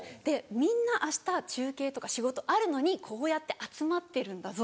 「みんな明日中継とか仕事あるのにこうやって集まってるんだぞ。